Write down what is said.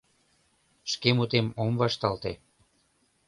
— Шке мутем ом вашталте.